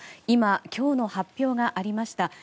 今、今日の発表がありました。